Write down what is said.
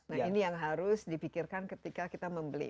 nah ini yang harus dipikirkan ketika kita membeli